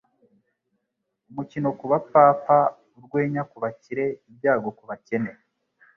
umukino ku bapfapfa, urwenya ku bakire, ibyago ku bakene.”